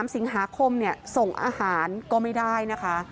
๓สิงหาคมส่งอาหารก็ไม่ได้นะคะ